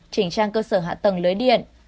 chỉnh trang cơ sở hạ tầng lưới điện